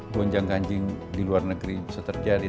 gonjang ganjing di luar negeri bisa terjadi